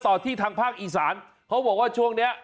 ที่ทางภาคอีสานเขาบอกว่าช่วงนี้